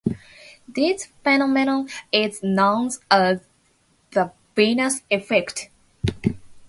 This phenomenon is known as the Venus effect.